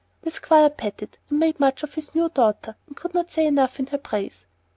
The Squire petted and made much of his new daughter and could not say enough in her praise.